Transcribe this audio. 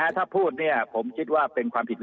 ถ้าพูดเนี่ยผมคิดว่าเป็นความผิดวิ